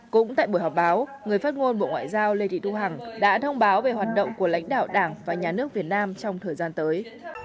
cũng tại buổi họp báo người phát ngôn bộ ngoại giao lê thị thu hằng đã thông báo về hoạt động của lãnh đạo đảng và nhà nước việt nam trong thời gian tới